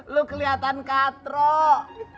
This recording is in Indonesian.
lu keliatan katrok